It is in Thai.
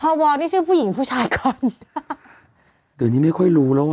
พอวอลนี่ชื่อผู้หญิงผู้ชายก่อนเดี๋ยวนี้ไม่ค่อยรู้แล้วอ่ะ